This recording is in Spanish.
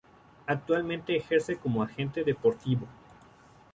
Actualmente ejerce como agente deportivo.